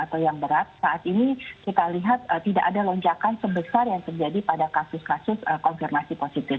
atau yang berat saat ini kita lihat tidak ada lonjakan sebesar yang terjadi pada kasus kasus konfirmasi positif